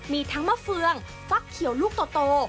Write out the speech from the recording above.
มีทั้งมะเฟืองฟักเขียวลูกโต